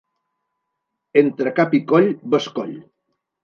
Entre cap i coll, bescoll!